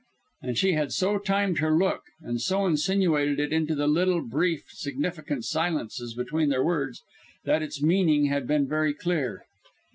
And she had so timed her look, had so insinuated it into the little, brief, significant silences between their words, that its meaning had been very clear.